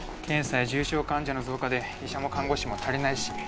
検査や重症患者の増加で医者も看護師も足りないし。